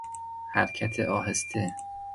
حرکت آهسته